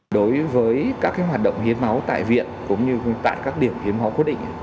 đối với các hoạt động hiến máu tại viện cũng như tại các điểm hiến máu quyết định